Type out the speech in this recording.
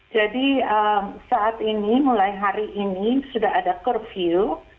jadi saat ini mulai hari ini sudah ada curfew